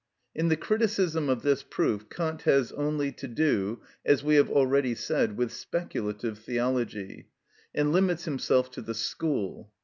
In the criticism of this proof Kant has only to do, as we have already said, with speculative theology, and limits himself to the School.